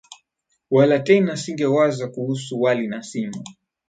Wala tena singewaza, kuhusu wali na sima,